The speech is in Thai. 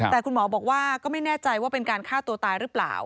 แต่คุณหมอบอกว่าก็ไม่แน่ใจว่าเป็นการฆ่าตัวตายหรือเปล่า